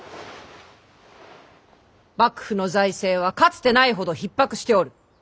幕府の財政はかつてないほどひっ迫しておる。